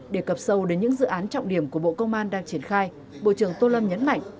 để cập sâu đến những dự án trọng điểm của bộ công an đang triển khai bộ trưởng tô lâm nhấn mạnh